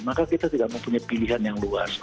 maka kita tidak mempunyai pilihan yang luas